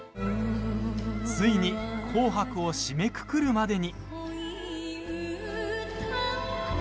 ついに「紅白」を締めくくるまでに。